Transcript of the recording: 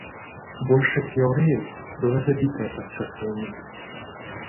Большасць яўрэяў была забітая пад час вайны.